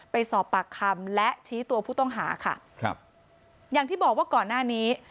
ไปสอบปากคำและชี้ตัวผู้ต้องหาค่ะครับอย่างที่บอกว่าก่อนหน้านี้